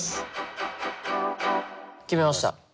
決めました。